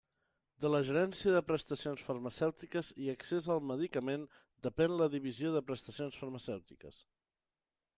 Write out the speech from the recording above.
De la Gerència de Prestacions Farmacèutiques i Accés al Medicament depèn la Divisió de Prestacions Farmacèutiques.